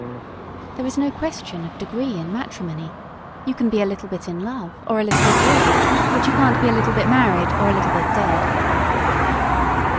There is no question of degree in matrimony. You can be a little bit in love or a little bit ill; but you can't be a little bit married or a little bit dead.